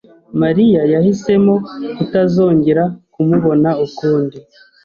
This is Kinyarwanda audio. Mariya yahisemo kutazongera kumubona ukundi.